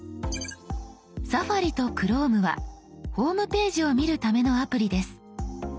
「Ｓａｆａｒｉ」と「Ｃｈｒｏｍｅ」はホームページを見るためのアプリです。